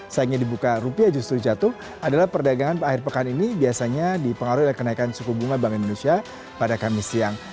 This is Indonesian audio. sayangnya dibuka rupiah justru jatuh adalah perdagangan akhir pekan ini biasanya dipengaruhi oleh kenaikan suku bunga bank indonesia pada kamis siang